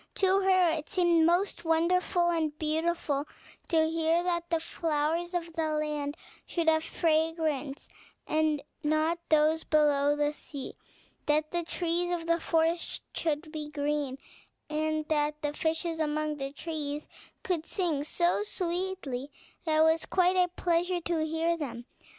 To her it seemed most wonderful and beautiful to hear that the flowers of the land should have fragrance, and not those below the sea; that the trees of the forest should be green; and that the fishes among the trees could sing so sweetly, that it was quite a pleasure to hear them.